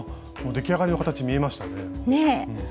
もう出来上がりの形見えましたね。